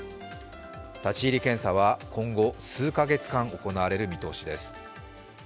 立ち入り検査は今後、数か月間、行われる見通しです。